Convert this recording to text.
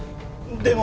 でも！